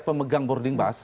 pemegang boarding bus